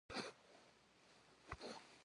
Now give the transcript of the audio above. Ts'exer sıt xuede herfç'e khrağajeu yatxre?